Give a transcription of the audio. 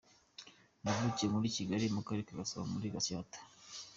Navukiye muri Kigali, mu Karere ka Gasabo muri Gatsata.